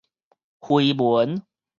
緋聞